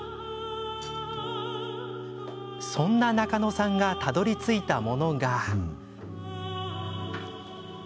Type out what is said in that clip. そんな中野さんがたどりついたものが。